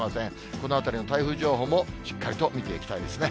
このあたりの台風情報もしっかりと見ていきたいですね。